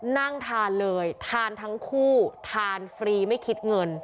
นั่งทานเลยทานทั้งคู่ทานฟรีไม่คิดเงิน